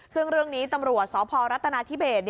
ซึ่งเรื่องนี้ตำรวจสพรัฐนาธิเบส